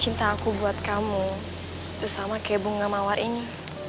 cinta aku buat kamu sama kayak bunga mawar ini